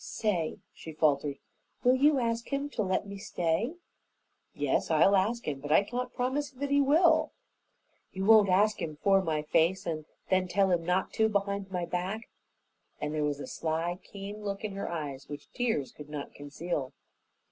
"Say," she faltered, "will you ask him to let me stay?" "Yes, I'll ask him, but I can't promise that he will." "You won't ask him 'fore my face and then tell him not to behind my back?" and there was a sly, keen look in her eyes which tears could not conceal.